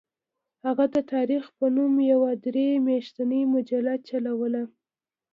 هغه د تاریخ په نوم یوه درې میاشتنۍ مجله چلوله.